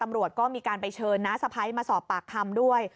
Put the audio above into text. ตำรวจก็มีการไปเชิญน้าสะพ้ายมาสอบปากคำด้วย